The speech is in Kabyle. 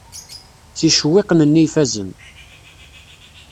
S yicewwiqen-nni ifazen.